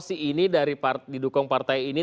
si ini didukung partai ini